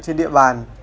trên địa bàn